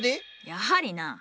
やはりな。